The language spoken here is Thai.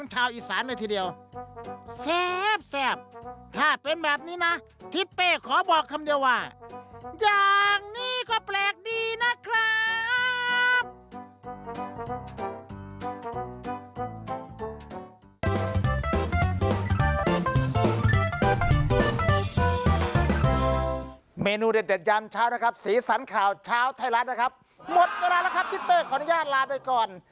หมดเวลาแล้วครับจิ๊ดเป้ขออนุญาตลาไปก่อน